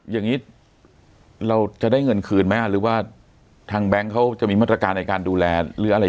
อย่างนี้เราจะได้เงินคืนไหมหรือว่าทางแบงค์เขาจะมีมาตรการในการดูแลหรืออะไร